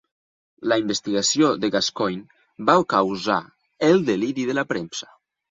La investigació de Gascoyne va causar el deliri de la premsa.